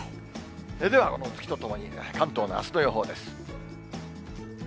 では、月とともに、関東のあすの予報です。